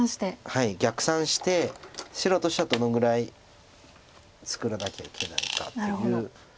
はい逆算して白としてはどのぐらい作らなきゃいけないのかっていう。